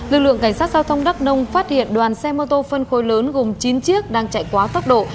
lực lượng cảnh sát giao thông đắk nông phát hiện đoàn xe mô tô phân khối lớn gồm chín chiếc đang chạy quá tốc độ